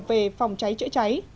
về phòng cháy chữa cháy